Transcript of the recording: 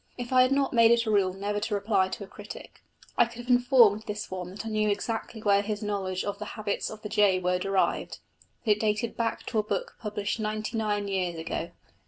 If I had not made it a rule never to reply to a critic, I could have informed this one that I knew exactly where his knowledge of the habits of the jay was derived that it dated back to a book published ninety nine years ago.